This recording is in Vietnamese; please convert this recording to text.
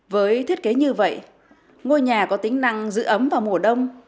với thiết kế như vậy ngôi nhà có tính năng giữ ấm vào mùa đông